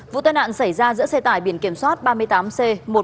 vụ tai nạn xảy ra giữa xe tải biển kiểm soát ba mươi tám c một mươi một nghìn ba mươi tám